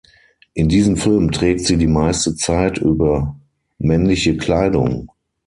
In diesem Film trägt sie die meiste Zeit über männliche Kleidung.